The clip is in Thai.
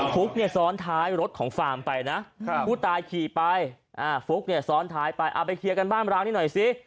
ฟลุกซ้อนท้ายรถของฟาร์มไปนะผู้ตายขี่ไปฟลุกซ้อนท้ายไปไปเคลียร์กันบ้านร้างนี่หน่อยซิ